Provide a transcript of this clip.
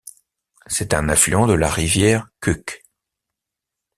C'est un affluent de la rivière Kuk.